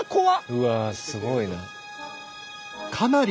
うわすごいな。